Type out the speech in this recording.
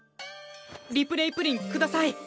リプレイプリン下さい！